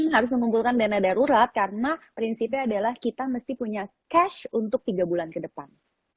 harus mengumpulkan dana darurat karena prinsipnya adalah kita mesti punya cash untuk tiga bulan ke depan